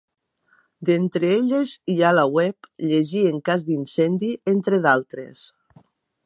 D'entre elles, hi ha la web, Llegir en cas d’incendi, entre d'altres.